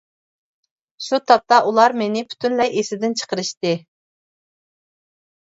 شۇ تاپتا ئۇلار مېنى پۈتۈنلەي ئېسىدىن چىقىرىشتى.